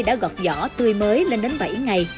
đã gọt giỏ tươi mới lên đến bảy ngày